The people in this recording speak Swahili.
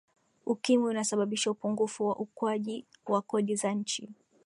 ukimwi unasababisha upungufu wa ukuaji wa kodi za nchi